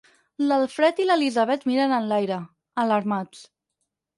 L'Alfred i l'Elisabet miren enlaire, alarmats.